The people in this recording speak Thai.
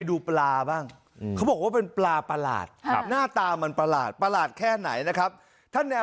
จะไปดูปลาบ้างให้บอกว่าเป็นปลาประหลาดหน้าตามันประหลาดประหลาดแค่ไหนนะครับเธอ